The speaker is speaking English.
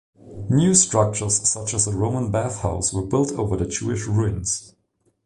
New structures, such as a Roman bathhouse, were built over the Jewish ruins.